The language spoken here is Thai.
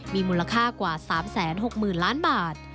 มีมูลค่ากว่า๓๖๐๐๐ล้านบาท